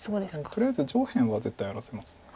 とりあえず上辺は絶対荒らせます。